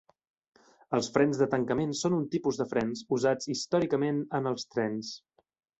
Els frens de tancament són un tipus de frens usats històricament en els trens.